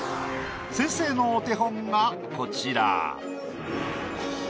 先生のお手本がこちら。